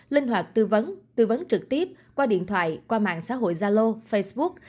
linh hoạt tư vấn tư vấn trực tiếp qua điện thoại qua mạng xã hội zalo facebook